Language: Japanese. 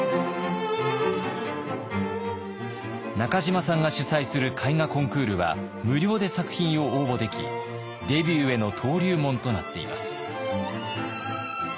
中島さんが主催する絵画コンクールは無料で作品を応募できデビューへの登竜門となっています。